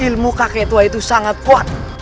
ilmu kakek tua itu sangat kuat